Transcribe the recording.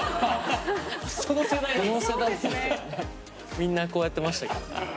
みんなこうやってましたけどね。